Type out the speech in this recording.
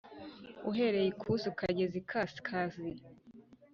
uhereye ikusi ukageza ikasikazi,